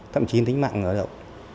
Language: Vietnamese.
thậm chí tính mạng lao động